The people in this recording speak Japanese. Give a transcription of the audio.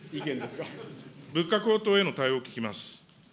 物価高騰への対応を聞きます。